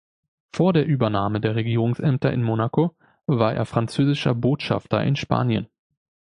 Vor der Übernahme der Regierungsämter in Monaco war er französischer Botschafter in Spanien.